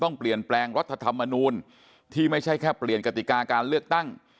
ต้องเปลี่ยนแปลงรัฐธรรมนูลที่ไม่ใช่แค่เปลี่ยนกติกาการเลือกตั้ง